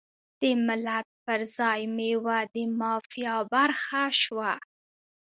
د ملت پر ځای میوه د مافیا برخه شوه.